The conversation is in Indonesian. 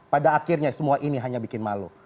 pada akhirnya semua ini hanya bikin malu